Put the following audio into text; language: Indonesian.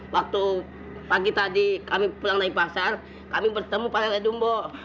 waktu pagi tadi kami pulang naik pasar kami bertemu pak lele dumbo